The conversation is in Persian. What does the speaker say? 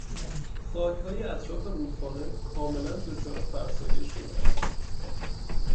خاکهای اطراف رودخانه کاملا دچار فرسایش شده است.